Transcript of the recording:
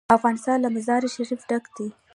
افغانستان له مزارشریف ډک دی.